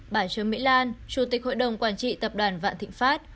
bà trương mỹ lan chủ tịch hội đồng quản trị tập đoàn vạn thịnh pháp